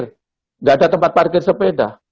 tidak ada tempat parkir sepeda